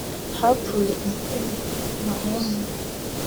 hapfuye Impyisi mahuma